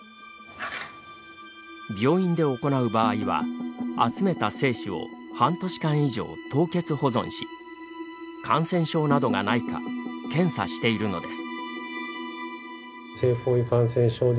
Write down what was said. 病院で行う場合は、集めた精子を半年間以上凍結保存し感染症などがないか検査しているのです。